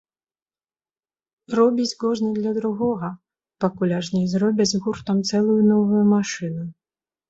Робіць кожны для другога, пакуль аж не зробяць гуртам цэлую новую машыну.